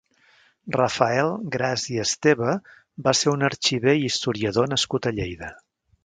Rafael Gras i Esteva va ser un arxiver i historiador nascut a Lleida.